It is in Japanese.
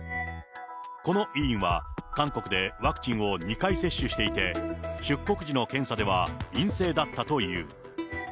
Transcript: この委員は、韓国でワクチンを２回接種していて、出国時の検査では陰性だったという。